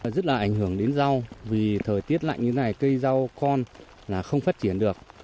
rất là ảnh hưởng đến rau vì thời tiết lạnh như thế này cây rau con là không phát triển được